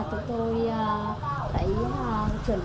rồi chúng tôi đã hợp ký với nhà vườn để ký kết với nông dân